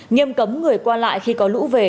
nghiêm cấm người qua lại khi có lũ về